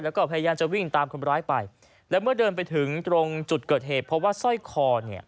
แล้วก็พยายามจะวิ่งตามคนร้ายไปแล้วเมื่อเดินไปถึงตรงจุดเกิดเหตุเพราะว่าสร้อยคอเนี่ย